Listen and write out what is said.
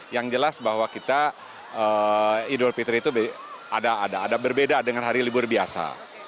yang jelas bahwa kita idul fitri itu ada berbeda dengan hari libur biasa